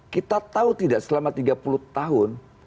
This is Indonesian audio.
kita tahu tidak selama tiga puluh tahun